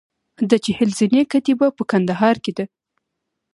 د چهل زینې کتیبه په کندهار کې ده